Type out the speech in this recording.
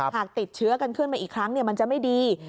หากติดเชื้อกันขึ้นมาอีกครั้งมันจะไม่ดี